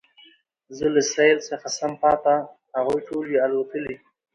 زه له سېل څخه سم پاته هغوی ټول وي الوتلي